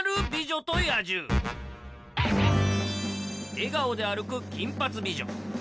笑顔で歩く金髪美女